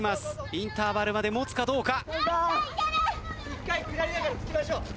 インターバルまで持つかどうか。